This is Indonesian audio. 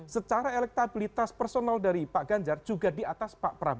secara elektabilitas personal dari pak ganjar juga di atas pak prabowo